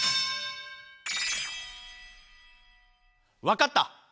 わかった！